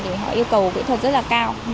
thì họ yêu cầu kỹ thuật rất là cao